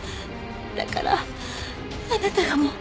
だからあなたがもう。